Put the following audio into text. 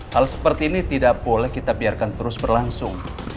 hal seperti ini tidak boleh kita biarkan terus berlangsung